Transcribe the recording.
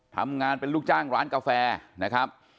ทำงานเป็นลูกจ้างร้านกาแฟนะครับ